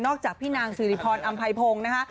จากพี่นางสิริพรอำไพพงศ์นะคะ